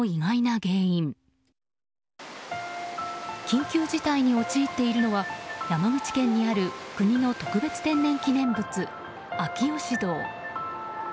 緊急事態に陥っているのは山口県にある国の特別天然記念物、秋芳洞。